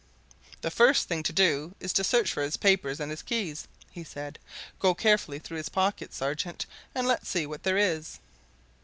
"The first thing to do is to search for his papers and his keys," he said. "Go carefully through his pockets, sergeant, and let's see what there is."